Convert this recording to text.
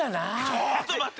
ちょっとまって。